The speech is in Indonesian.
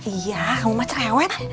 iya kamu macem rewet